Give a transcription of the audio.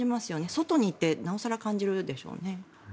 外にいてなお更感じるでしょうね。